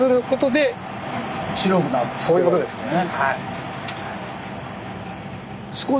そういうことですよね。